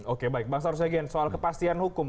oke baik bang sarus egen soal kepastian hukum